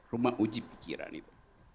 rumah uji pikiran itu